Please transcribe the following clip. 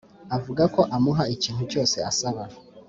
avuga ko amuha ikintu cyose asaba